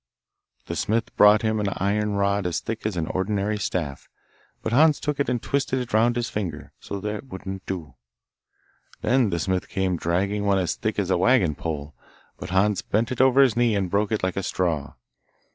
The smith brought him an iron rod as thick as an ordinary staff, but Hans took it and twisted it round his finger, so that wouldn't do. Then the smith came dragging one as thick as a waggon pole, but Hans bent it over his knee and broke it like a straw.